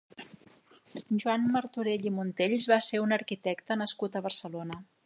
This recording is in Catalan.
Joan Martorell i Montells va ser un arquitecte nascut a Barcelona.